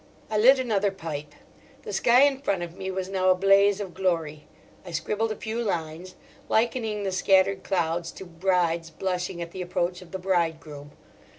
I lit another pipe. The sky in front of me was now a blaze of glory. I scribbled a few lines, likening the scattered clouds to brides blushing at the approach of the bridegroom.